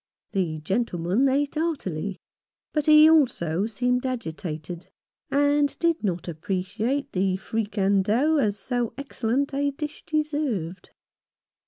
The gentleman ate heartily, but he also seemed agitated, and did not appreciate the fricandeau as so excellent a dish deserved.